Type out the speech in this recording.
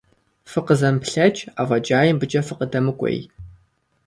ФыкъызэмыплъэкӀ, афӀэкӀаи мыбыкӀэ фыкъыдэмыкӀуей.